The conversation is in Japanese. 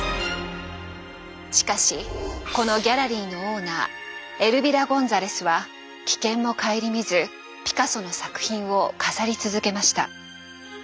しかしこのギャラリーのオーナーエルビラ・ゴンザレスは危険も顧みずピカソの作品を飾り続けました。